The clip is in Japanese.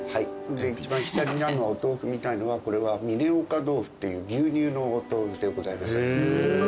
一番左にあるお豆腐みたいのは嶺岡豆腐っていう牛乳のお豆腐でございます。